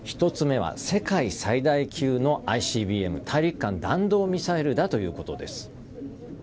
１つ目は世界最大級のＩＣＢＭ大陸間弾道ミサイルだということです。